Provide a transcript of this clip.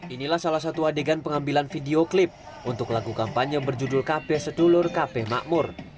inilah salah satu adegan pengambilan video klip untuk lagu kampanye berjudul kp setulur kp makmur